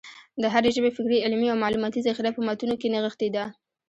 د هري ژبي فکري، علمي او معلوماتي ذخیره په متونو کښي نغښتې ده.